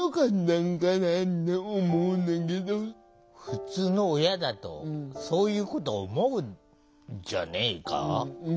普通の親だとそういうこと思うんじゃねえか？